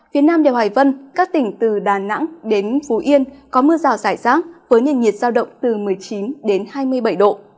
phía nam đèo hải vân các tỉnh từ đà nẵng đến phú yên có mưa rào rải rác với nền nhiệt giao động từ một mươi chín hai mươi bảy độ